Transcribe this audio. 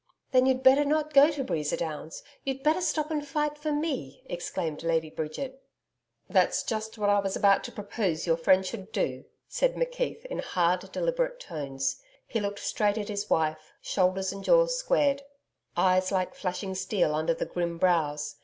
'Then you'd better not go to Breeza Downs. You'd better stop and fight for me,' exclaimed Bridget. 'That's just what I was about to propose your friend should do,' said McKeith in hard deliberate tones. He looked straight at his wife shoulders and jaws squared, eyes like flashing steel under the grim brows.